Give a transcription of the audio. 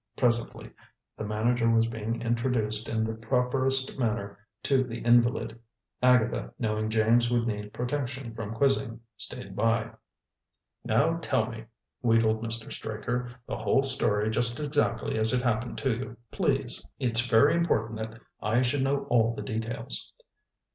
Presently the manager was being introduced in the properest manner to the invalid. Agatha, knowing James would need protection from quizzing, stayed by. "Now, tell me," wheedled Mr. Straker, "the whole story just exactly as it happened to you, please. It's very important that I should know all the details."